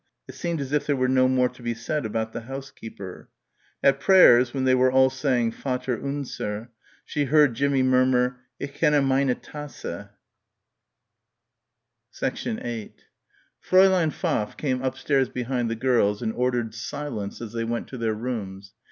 It seemed as if there were no more to be said about the housekeeper. At prayers when they were all saying "Vater unser," she heard Jimmie murmur, "Ik kenne meine Tasse." 8 Fräulein Pfaff came upstairs behind the girls and ordered silence as they went to their rooms.